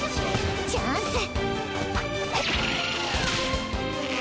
チャンス。